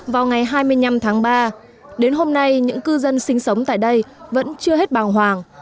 vào ngày hai mươi năm tháng ba đến hôm nay những cư dân sinh sống tại đây vẫn chưa hết bàng hoàng